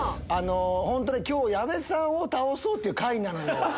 今日矢部さんを倒そう！っていう回なのよ。